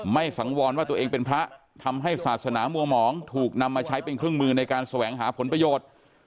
สังวรว่าตัวเองเป็นพระทำให้ศาสนามัวหมองถูกนำมาใช้เป็นเครื่องมือในการแสวงหาผลประโยชน์